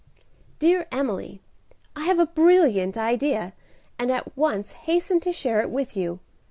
"Dear Emily, I have a brilliant idea, and at once hasten to share it with you.